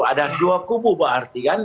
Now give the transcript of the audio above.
ada dua kubu pak arsi kan